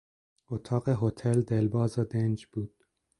اتاق هتل دلباز و دنج بود.